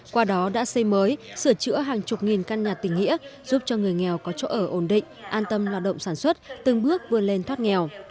qua đó đã xây mới sửa chữa hàng chục nghìn căn nhà tình nghĩa giúp cho người nghèo có chỗ ở ổn định an tâm lao động sản xuất từng bước vươn lên thoát nghèo